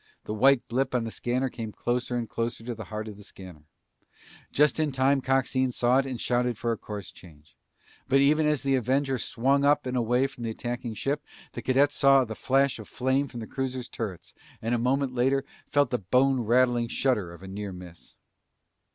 The white blip on the scanner came closer and closer to the heart of the scanner. Just in time Coxine saw it and shouted for a course change. But even as the Avenger swung up and away from the attacking ship, the cadets saw the flash of flame from the cruiser's turrets and a moment later felt the bone rattling shudder of a near miss.